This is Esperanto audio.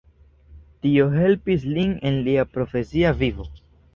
Tio helpis lin en lia profesia vivo.